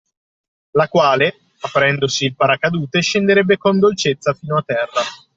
La quale, aprendosi il paracadute scenderebbe con dolcezza fino a terra.